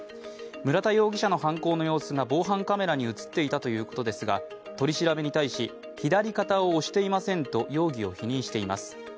村田容疑者の犯行の様子が防犯カメラに映っていたということですが、取り調べに対し、左肩を押していませんと容疑を否認しています。